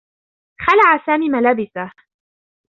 خلع سامي ملابسه.